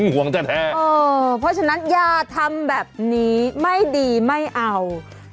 ห่วงจะแท้เออเพราะฉะนั้นย่าทำแบบนี้ไม่ดีไม่เอ่า